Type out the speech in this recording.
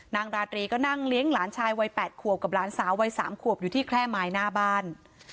ราตรีก็นั่งเลี้ยงหลานชายวัย๘ขวบกับหลานสาววัย๓ขวบอยู่ที่แค่ไม้หน้าบ้าน